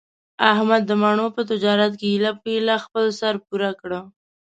احمد د مڼو په تجارت کې ایله په ایله خپل سر پوره کړ.